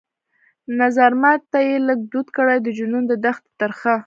نظرمات ته يې لږ دود کړى د جنون د دښتي ترخه